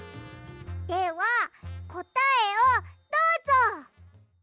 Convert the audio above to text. ではこたえをどうぞ！